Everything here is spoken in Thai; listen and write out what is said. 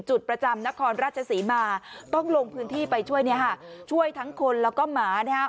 จุดประจำนครราชสีมาต้องลงพื้นที่ไปช่วยเนี่ยฮะช่วยทั้งคนแล้วก็หมาเนี่ยฮะ